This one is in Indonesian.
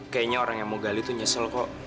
kayaknya orang yang mau gali tuh nyesel kok